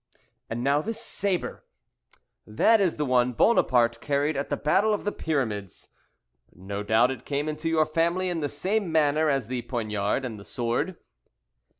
"And now this sabre?" "That is the one Buonaparte carried at the battle of the Pyramids." "No doubt it came into your family in the same manner as the poignard and the sword."